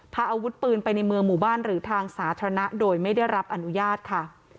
พาอาวุธปืนไปในเมืองหมู่บ้านหรือทางสาธารณะโดยไม่ได้รับอนุญาตค่ะ